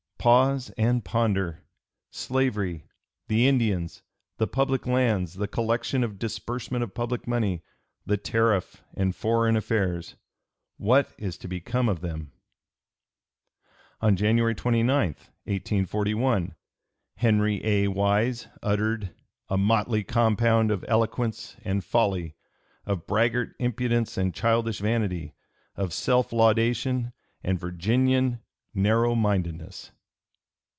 Pause and ponder! Slavery, the Indians, the public lands, the collection and disbursement of public money, the tariff, and foreign affairs: what is to become of them?" On January 29, 1841, Henry A. Wise uttered "a motley compound of eloquence and folly, of braggart impudence and childish vanity, of self laudation and Virginian narrow mindedness."